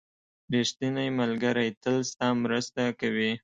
• ریښتینی ملګری تل ستا مرسته کوي.